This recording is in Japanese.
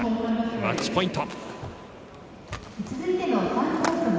マッチポイント。